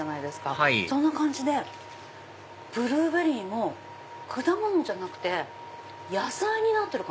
はいそんな感じでブルーベリーも果物じゃなくて野菜になってる。